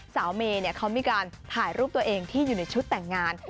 เมย์เขามีการถ่ายรูปตัวเองที่อยู่ในชุดแต่งงาน